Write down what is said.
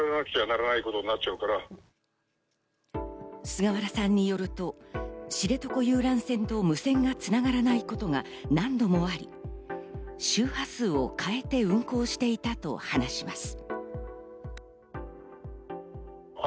菅原さんによると、知床遊覧船と無線が繋がらないことが何度もあり、周波数を変えて運航していたと話します。